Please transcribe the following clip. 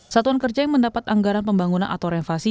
satuan kerja yang mendapat anggaran pembangunan atau revasi